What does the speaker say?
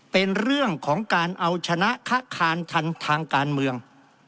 เป็นเรื่องของการเอาชนะค้าคานทันทางการเมือง